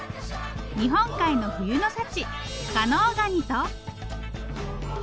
日本海の冬の幸加能ガニと。